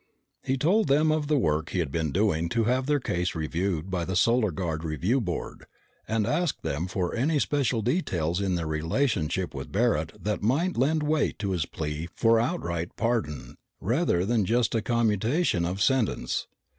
He told them of the work he had been doing to have their case renewed by the Solar Guard Review Board and asked them for any special details in their relationship with Barret that might lend weight to his plea for outright pardon, rather than just a commutation of sentence.